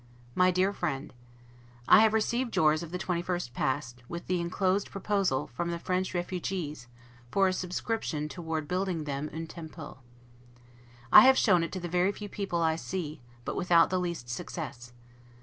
MY DEAR FRIEND: I have received yours of the 21st past, with the inclosed proposal from the French 'refugies, for a subscription toward building them 'un temple'. I have shown it to the very few people I see, but without the least success.